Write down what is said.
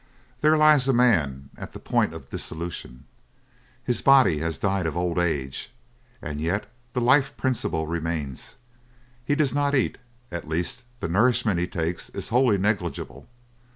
There lies a man at the point of dissolution. His body has died of old age, and yet the life principle remains. He does not eat at least, the nourishment he takes is wholely negligible.